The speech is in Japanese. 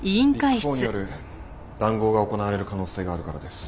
ビッグ４による談合が行われる可能性があるからです。